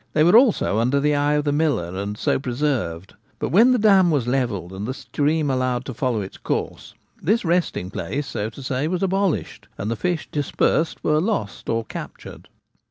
They were also under the eye of the miller, and so pre served. But when the dam was levelled and the stream allowed to follow its course, this resting place, so to say, was abolished, and the fish dispersed were lost or captured.